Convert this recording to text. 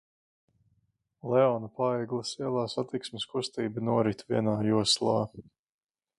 Leona Paegles ielā satiksmes kustība norit vienā joslā.